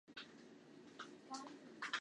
由当时的暹罗君主拉玛四世命名。